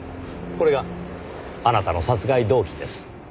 これがあなたの殺害動機です。